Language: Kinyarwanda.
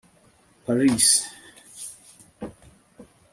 paris